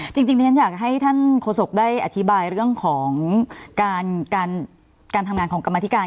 จริงหรือนี่หน่อยอยากให้ท่านโษกด้วยอธิบายเรื่องของการทำงานของกรรมนาธิกาล